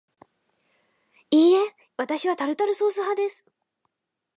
いいえ、わたしはタルタルソース派です